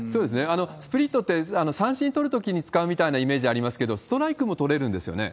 スプリットって三振とるときに使うみたいなイメージありますけれども、ストライクも取れるんですよね？